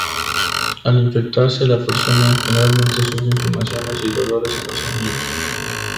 Al infectarse la persona, generalmente sufre inflamaciones y dolores en los ganglios.